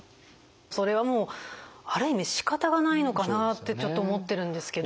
それはもうある意味しかたがないのかなってちょっと思ってるんですけど。